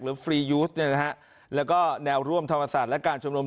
หรือฟรียูสนะครับแล้วก็แนวร่วมธรรมศาสตร์และการชุมนุม